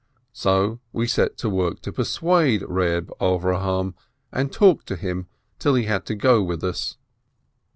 So we set to work to persuade Reb Avrohom and talked to him till he had to go with us.